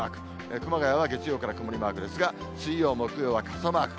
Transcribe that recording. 熊谷は月曜から曇りマークですが、水曜、木曜は傘マーク。